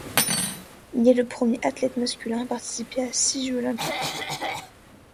Il est le premier athlète masculin à participer à six Jeux olympiques.